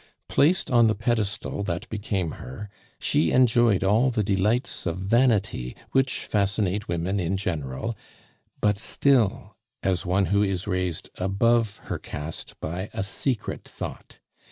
Placed on the pedestal that became her, she enjoyed all the delights of vanity which fascinate women in general, but still as one who is raised above her caste by a secret thought.